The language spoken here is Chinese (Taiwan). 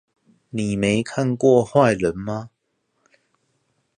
你沒看過壞人嗎？